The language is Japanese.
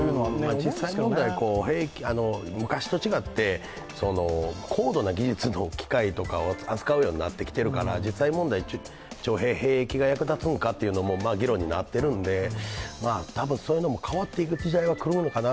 実際問題、昔と違って高度な技術の機械とか扱うようになってきているから実際問題、徴兵、兵役が役立つのかというのも議論になっているので、多分そういうのも変わっていく時代は来るのかな。